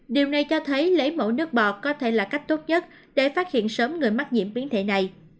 điều này cho thấy lấy mẫu nước bọt có thể là cách tốt nhất để phát hiện sớm người mắc nhiễm biến thể này